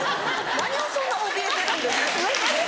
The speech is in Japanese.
何をそんなおびえてるんですか？